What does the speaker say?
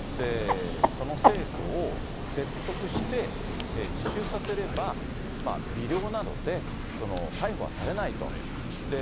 その生徒を説得して、自首させれば、微量なので、逮捕はされないと。